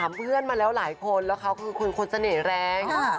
เพื่อนมาแล้วหลายคนแล้วเขาคือคนคนเสน่ห์แรง